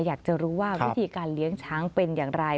อยากจะรู้ว่าวิธีการเลี้ยงช้างเป็นอย่างไร